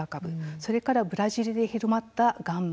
それからブラジルで広まった「ガンマ」